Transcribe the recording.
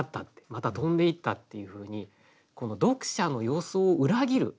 また飛んでいったっていうふうに読者の予想を裏切る。